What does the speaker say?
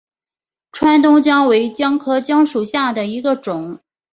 川东姜为姜科姜属下的一个种。